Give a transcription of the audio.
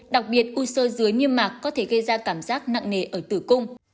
đặc biệt u sơ dưới niêm mạc có thể gây ra cảm giác nặng nề ở tử cung